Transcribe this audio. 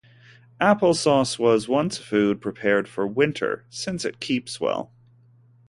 Apple sauce was once a food prepared for winter, since it keeps well.